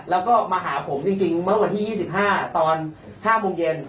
แล้วก็มาหาผมจริงเมื่อวันที่๒๕ตอน๕โมงเย็น